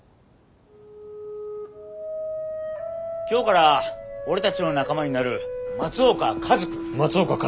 今日から俺たちの仲間になる松岡一くん。